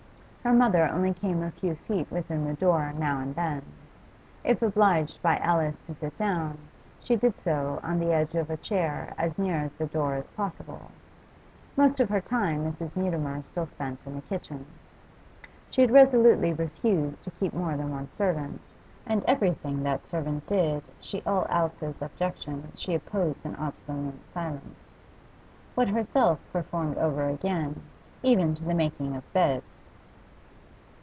Her mother only came a few feet within the door now and then; if obliged by Alice to sit down, she did so on the edge of a chair as near to the door as possible. Most of her time Mrs. Mutimer still spent in the kitchen. She had resolutely refused to keep more than one servant, and everything that servant did she all Alice's objections she opposed an obstinate silence. What herself performed over again, even to the making of beds.